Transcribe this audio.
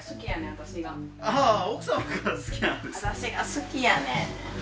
私が好きやねん。